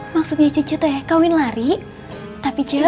maksudnya ce ce te kawin lari tapi ce ce